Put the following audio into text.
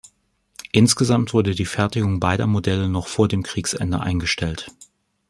Insgesamt wurde die Fertigung beider Modelle noch vor dem Kriegsende eingestellt.